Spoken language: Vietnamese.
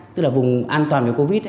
tức là vùng an toàn với covid